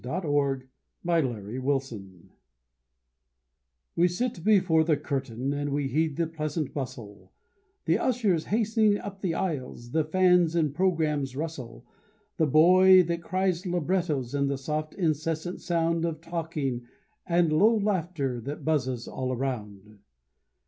THE RISING OF THE CURTAIN We sit before the curtain, and we heed the pleasant bustle: The ushers hastening up the aisles, the fans' and programmes' rustle; The boy that cries librettos, and the soft, incessant sound Of talking and low laughter that buzzes all around.